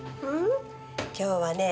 今日はね